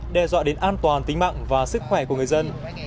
đe dọa đến an toàn tính mạng và sức khỏe của người dân